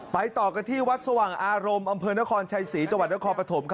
ต่อกันที่วัดสว่างอารมณ์อำเภอนครชัยศรีจังหวัดนครปฐม